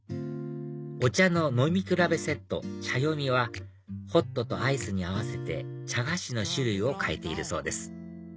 お茶の飲み比べセット茶詠みはホットとアイスに合わせて茶菓子の種類を替えているそうです